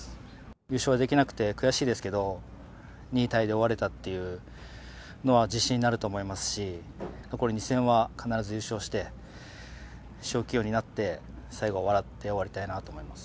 ◆優勝はできなくて悔しいですけど、２位タイで終われたというのは自信になると思いますし、残り２戦は必ず優勝して、賞金王になって、最後笑って終わりたいなと思います。